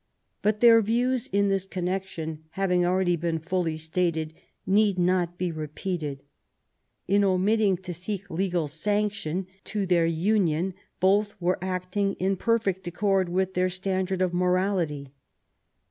But their views in this connec tion having already been fully stated need not be repeated. In omitting to seek legal sanction to their union both were acting in perfect accord with their ^ standard of morality.